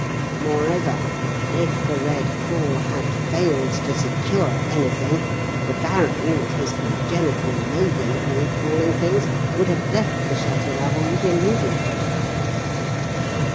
Moreover, if 'The Red Crawl' had failed to secure anything, the baron, with his congenital loathing of all crawling things, would have left the Château Larouge immediately."